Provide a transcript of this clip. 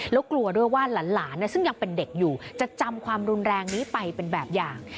แล้วกลัวด้วยว่าหลานซึ่งยังเป็นเด็กอยู่จะจำความรุนแรงนี้ไปเป็นแบบอย่าง